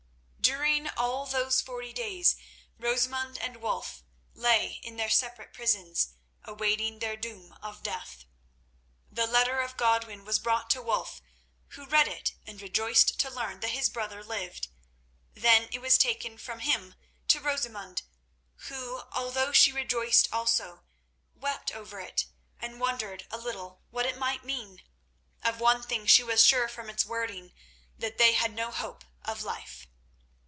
During all those forty days Rosamund and Wulf lay in their separate prisons, awaiting their doom of death. The letter of Godwin was brought to Wulf, who read it and rejoiced to learn that his brother lived. Then it was taken from him to Rosamund, who, although she rejoiced also, wept over it, and wondered a little what it might mean. Of one thing she was sure from its wording—that they had no hope of life.